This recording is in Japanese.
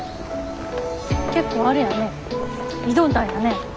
結構あれやね挑んだんやね。